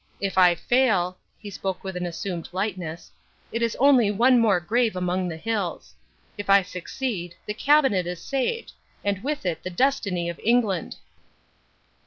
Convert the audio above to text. If I fail" he spoke with an assumed lightness "it is only one more grave among the hills. If I succeed, the Cabinet is saved, and with it the destiny of England."